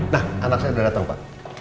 nah anak saya udah datang pak